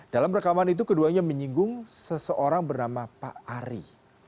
dalam rekaman itu keduanya menyinggung seseorang bernama pak ari